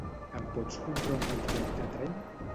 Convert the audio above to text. Em pots comprar un bitllet de tren?